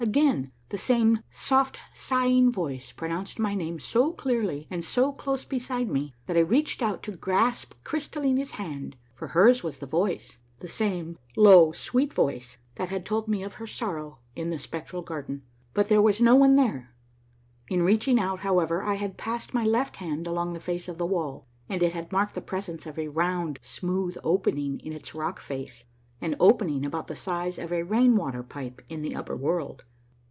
Again the same soft sighing voice pronounced my name so clearly and so close beside me that I reached out to grasp Crystallina's hand, for hers was the voice, — the same low, sweet voice that had told me of her sorrow in the Spectral Garden ; but there was no one there. In reaching out, however, I had passed my left hand along the face of the wall, and it had marked the presence of a round smooth opening in its rock}' face, an open ing about the size of a rain water pipe in the upper world.